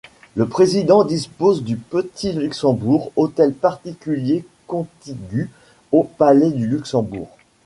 Le président dispose du Petit Luxembourg, hôtel particulier contigu au Palais du Luxembourg.